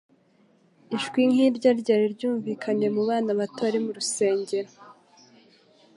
Ijwi nk'iryo ryari ryarunvikanye mu bana bato bari mu rusengero.